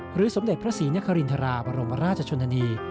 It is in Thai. สมเด็จพระศรีนครินทราบรมราชชนนานี